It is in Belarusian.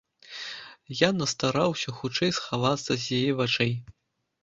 Я настараўся хутчэй схавацца з яе вачэй.